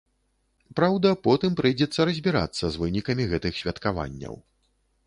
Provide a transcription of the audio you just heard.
Праўда, потым прыйдзецца разбірацца з вынікамі гэтых святкаванняў.